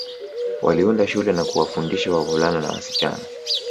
Waliunda shule na kuwafundisha wavulana na wasichana